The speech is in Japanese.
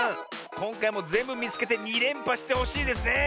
こんかいもぜんぶみつけて２れんぱしてほしいですね。